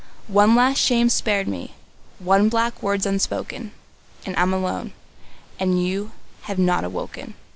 One last shame's spared me, one black word's unspoken; And I'm alone; and you have not awoken.